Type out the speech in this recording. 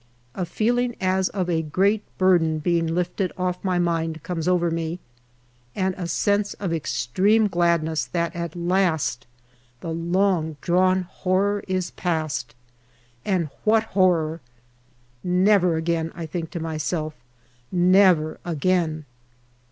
A feeling as of a great burden being lifted off my mind comes over me, and a sense of extreme gladness that at last the long drawn horror is past and what horror ! "Never again I" I think to myself. "Never again